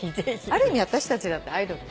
ある意味私たちだってアイドル。